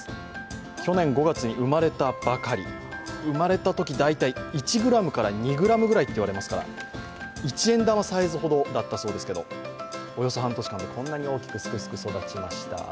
生まれたとき、大体１ｇから２ｇぐらいといわれますから一円玉サイズほどだったそうですけど、およそ半年間でこんなに大きくすくすく育ちました。